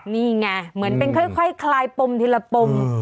นี่ไงเหมือนเป็นค่อยคลายปมทีละปม